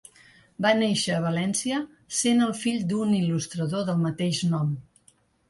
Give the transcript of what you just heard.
Va néixer a València, sent el fill d'un il·lustrador del mateix nom.